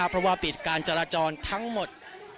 เพราะว่าปิดการจราจรทั้งหมด